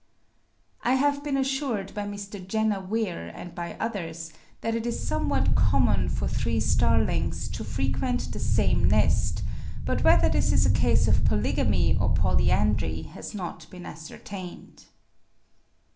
I have been assured by Mr. Jenner Weir and by others, that it is somewhat common for three starlings to frequent the same nest; but whether this is a case of polygamy or polyandry has not been ascertained.